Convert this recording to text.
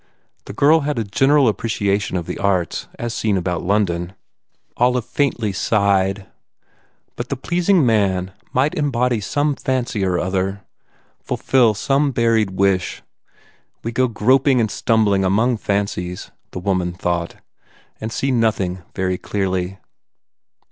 The girl had a general apprecation of the arts as seen about London. Olive faintly sighed. But the pleasing man might embody some fancy or other, fulfil some buried wish. We go groping and stumbling among fancies, the woman thought, and see nothing very clearly.